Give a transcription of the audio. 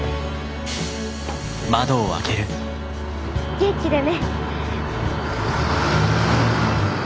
元気でね。